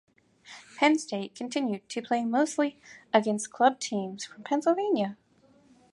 Penn State continued to play mostly against club teams from Pennsylvania.